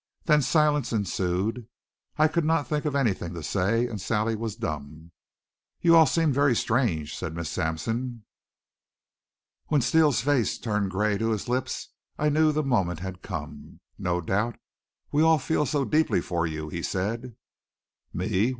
Then silence ensued. I could not think of anything to say and Sally was dumb. "You all seem very strange," said Miss Sampson. When Steele's face turned gray to his lips I knew the moment had come. "No doubt. We all feel so deeply for you," he said. "Me?